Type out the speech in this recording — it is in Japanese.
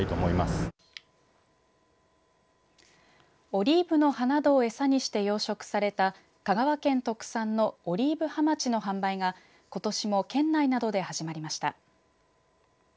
オリーブの葉などを餌にして養殖された香川県特産のオリーブハマチの販売がことしも県内などで始まりました。